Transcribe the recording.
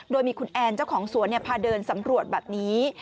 โดยมีคุณแอนเจ้าของสวนพาเดินสำรวจแบบนี้